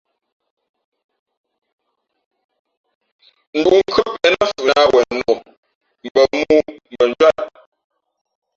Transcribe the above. Ndǔʼ nkhʉ́ά pěʼ nά mfhʉʼnāt wenok, mbα mōō mbα njwíat.